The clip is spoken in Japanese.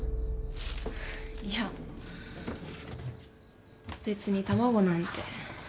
いや別に卵なんて。